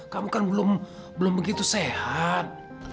kamu kan belum begitu sehat